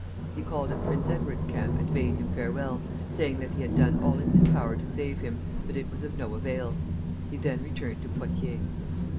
He called at Prince Edward's camp and bade him farewell, saying that he had done all in his power to save him, but it was of no avail. He then returned to Poictiers.